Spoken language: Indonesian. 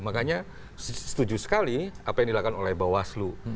makanya setuju sekali apa yang dilakukan oleh bawaslu